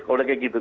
kalau kaya gitu